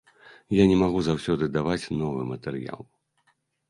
Я не магу заўсёды даваць новы матэрыял.